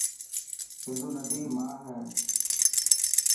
سنڌو نڌي ما هي.